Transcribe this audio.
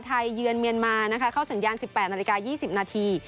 เยือนเมียนมานะคะเข้าสัญญาณ๑๘นาฬิกา๒๐นาที